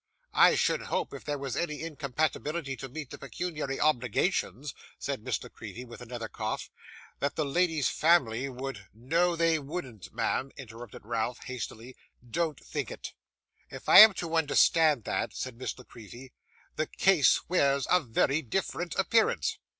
'I should hope, if there was any incompatibility to meet the pecuniary obligations,' said Miss La Creevy with another cough, 'that the lady's family would ' 'No they wouldn't, ma'am,' interrupted Ralph, hastily. 'Don't think it.' 'If I am to understand that,' said Miss La Creevy, 'the case wears a very different appearance.